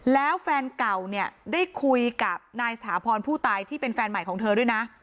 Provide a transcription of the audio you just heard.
แล้วแฟนเก่าเนี่ยได้คุยกับนายสถาพรผู้ตายที่เป็นแฟนใหม่ของเธอด้วยนะ